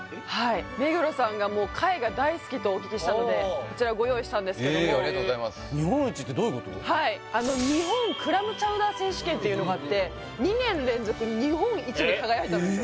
目黒さんが貝が大好きとお聞きしたのでこちらご用意したんですけどもありがとうございます日本クラムチャウダー選手権というのがあって２年連続日本一に輝いたんですよ